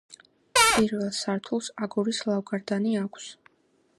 პირველ სართულს აგურის ლავგარდანი აქვს.